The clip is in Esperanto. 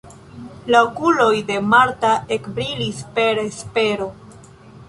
La okuloj de Marta ekbrilis per espero.